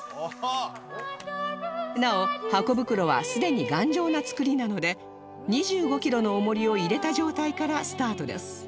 なおハコ袋はすでに頑丈な造りなので２５キロの重りを入れた状態からスタートです